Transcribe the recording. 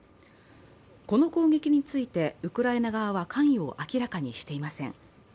この攻撃についてウクライナ側は関与を明らかにしていません。